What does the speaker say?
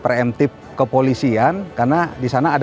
mereka bisa ke tempat penyembuhan dari generasi